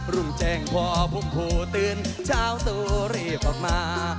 รุ่นแจ้งพ่อพุ่มโผตื้นเช้าตัวเรียบออกมา